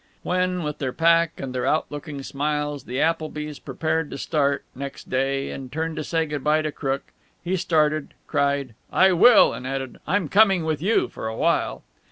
When with their pack and their outlooking smiles the Applebys prepared to start, next day, and turned to say good by to Crook, he started, cried, "I will!" and added, "I'm coming with you, for a while!"